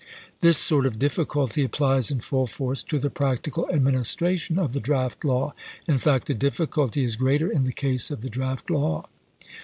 " This sort of difficulty applies in full force to the practical administration of the draft law. In fact, the difficulty is greater in the case of the draft law.